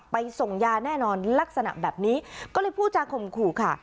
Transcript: ส่งยาแน่นอนลักษณะแบบนี้ก็เลยพูดจากข่มขู่ค่ะ